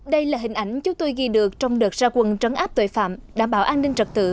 đây là hình ảnh chúng tôi ghi được trong đợt ra quân trấn áp tội phạm đảm bảo an ninh trật tự